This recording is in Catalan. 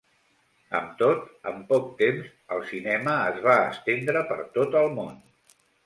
Amb tot, en poc temps, el cinema es va estendre per tot el món.